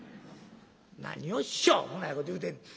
「何をしょうもないこと言うてんねん」。